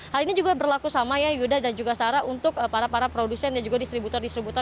hal ini juga berlaku sama ya yuda dan juga sarah untuk para para produsen dan juga distributor distributor